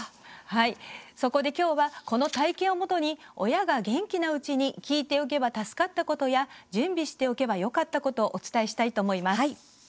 そこで今日は、この体験をもとに親が元気なうちに聞いておけば助かったことや準備しておけばよかったことお伝えしたいと思います。